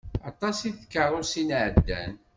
Aṭas n tkeṛṛusin i ɛeddan.